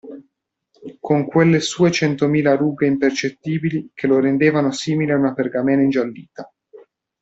Con quelle sue centomila rughe impercettibili, che lo rendevano simile a una pergamena ingiallita.